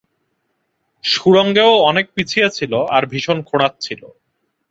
সুড়ঙ্গে ও অনেক পিছিয়ে ছিল, আর ভীষণ খোঁড়াচ্ছিল।